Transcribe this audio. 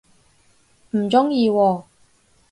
唔鍾意喎